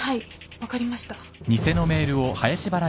分かりました。